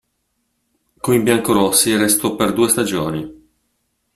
Con i biancorossi restò per due stagioni.